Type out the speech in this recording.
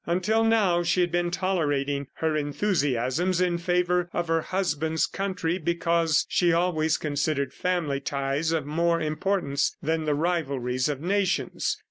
Until now, she had been tolerating her enthusiasms in favor of her husband's country because she always considered family ties of more importance than the rivalries of nations.